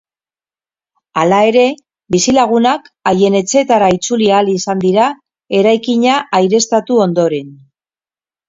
Hala ere, bizilagunak haien etxeetara itzuli ahal izan dira eraikina aireztatu ondoren.